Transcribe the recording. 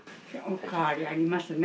お変わりありますね。